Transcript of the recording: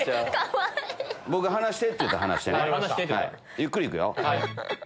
ゆっくり行くよ。